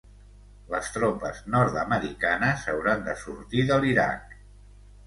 Les tropes nord-americanes hauran de sortir de l'Iraq